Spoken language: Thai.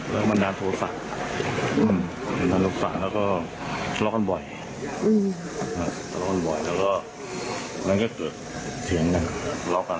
เรื่องเดิมเท่ากันมาสิบหกปีแล้ว